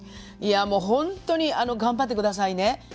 いやもうホントに頑張って下さいね。